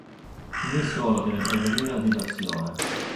Lui solo deve prevenire la diversione.